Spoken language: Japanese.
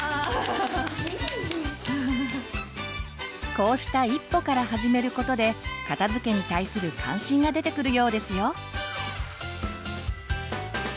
こうした一歩から始めることで片づけに対する関心が出てくるようですよ。